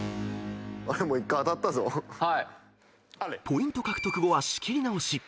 ［ポイント獲得後は仕切り直し］